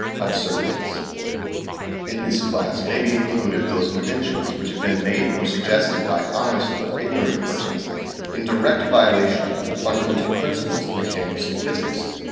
ABSURDITIES In this class may be included those inventions which have been made or suggested by honest but ignorant persons in direct violation of the fundamental principles of mechanics and physics.